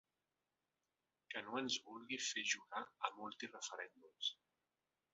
Que no ens vulgui fer jugar a multireferèndums.